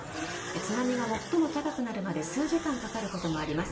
津波が最も高くなるまで数時間かかることもあります。